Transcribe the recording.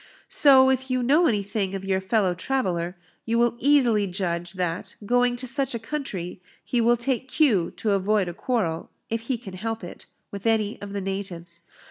So, if you know anything of your fellow traveller, you will easily judge, that, going to such a country, he will take cue to avoid a quarrel, if he can help it, with any of the natives.